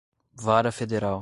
vara federal